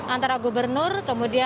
antara gubernator dan pemerintah